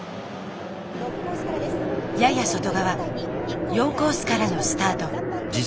やや外側４コースからのスタート。